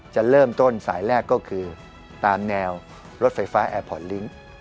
จะเริ่มต้นสายแรกก็คือตามแนวรถไฟฟ้าแอร์พอร์ตลิงค์